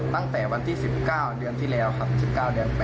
ตั้งแต่วันที่๑๙เดือนที่แล้วครับ๑๙เดือน